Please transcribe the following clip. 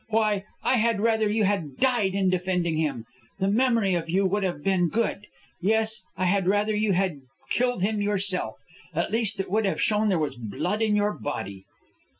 Why, I had rather you had died in defending him; the memory of you would have been good. Yes, I had rather you had killed him yourself. At least, it would have shown there was blood in your body."